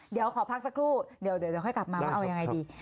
เดี๋ยวขอพักสักครู่เดี๋ยวค่อยกลับมาว่าเอายังไงดี